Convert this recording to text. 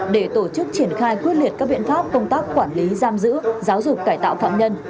để tổ chức triển khai quyết liệt các biện pháp công tác quản lý giam giữ giáo dục cải tạo phạm nhân